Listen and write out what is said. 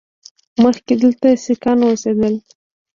مخکې دلته سیکان اوسېدل